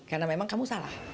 karena memang kamu salah